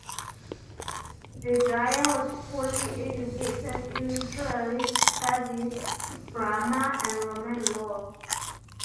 Didier was fully educated in literary studies, grammar and Roman laws.